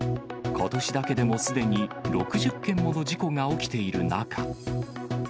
ことしだけでもすでに、６０件もの事故が起きている中。